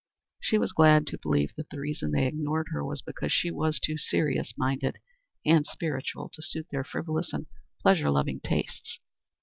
She was glad to believe that the reason they ignored her was because she was too serious minded and spiritual to suit their frivolous and pleasure loving tastes.